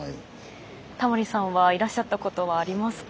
タモリさんはいらっしゃったことはありますか？